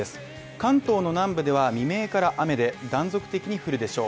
関東の南部では未明から雨で断続的に降るでしょう。